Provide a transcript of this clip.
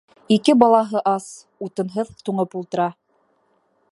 Ике балаһы ас, утынһыҙ туңып ултыра.